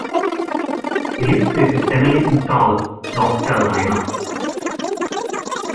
He lives with his family in Charlotte, North Carolina.